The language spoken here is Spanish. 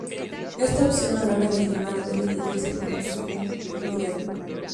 Esta opción a la hora de filmar debe elegirse con sumo cuidado.